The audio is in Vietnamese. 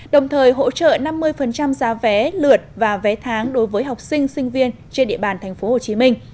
đồng thời hỗ trợ năm mươi giá vé lượt và vé tháng đối với học sinh sinh viên trên địa bàn tp hcm